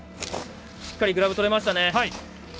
しっかりグラブ取れましたね。